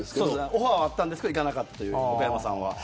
オファーはあったんですけどいかなかったという。